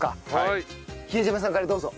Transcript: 比江島さんからどうぞ。